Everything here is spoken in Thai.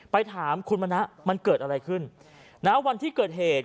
ไปถามคุณมณะมันเกิดอะไรขึ้นนะวันที่เกิดเหตุ